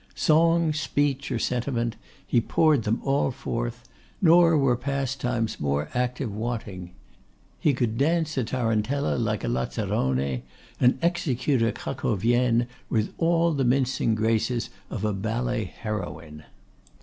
Song, speech, or sentiment, he poured them all forth; nor were pastimes more active wanting. He could dance a Tarantella like a Lazzarone, and execute a Cracovienne with all the mincing graces of a ballet heroine.